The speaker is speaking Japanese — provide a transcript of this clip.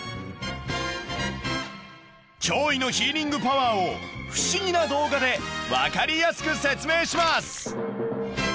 驚異のヒーリングパワーを不思議な動画で分かりやすく説明します！